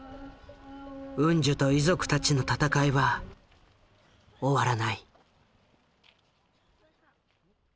ウンジュと遺族たちの闘いは終わらない。